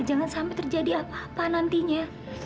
jangan sampai terjadi apa apa nantinya